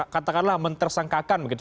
katakanlah mentersangkakan begitu